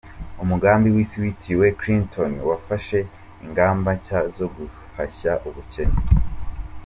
Umugambi w’Isi witiriwe Clinton wafashe ingamba nshya zo guhashya ubukene